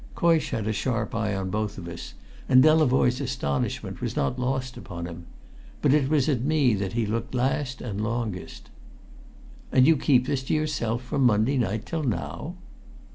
Coysh had a sharp eye on both of us, and Delavoye's astonishment was not lost upon him. But it was at me that he looked last and longest. "And you keep this to yourself from Monday night till now?"